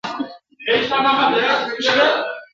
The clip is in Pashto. د تعلیم په مټ، ټولنیزي پروژې په بریالیتوب سرته رسېږي.